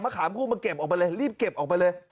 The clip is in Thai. ขามคู่มาเก็บออกไปเลยรีบเก็บออกไปเลย